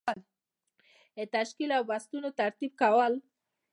د تشکیل او بستونو ترتیب کول.